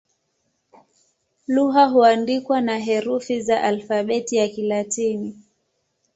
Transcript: Lugha huandikwa na herufi za Alfabeti ya Kilatini.